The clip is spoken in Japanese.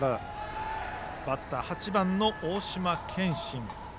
バッターは８番、大島健真。